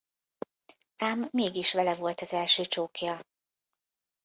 Ám mégis vele volt az első csókja.